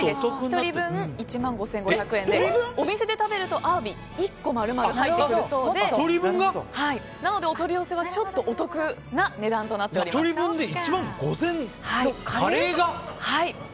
２人分１万５５００円でお店で食べるとアワビが１個丸々入ってくるそうでなので、お取り寄せは、ちょっとお得な値段となっています。